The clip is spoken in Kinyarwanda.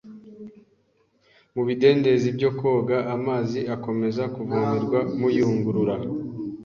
Mu bidendezi byo koga, amazi akomeza kuvomerwa muyungurura.